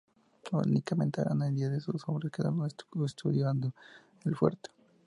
Únicamente Arana y diez de sus hombres quedaron custodiando el fuerte.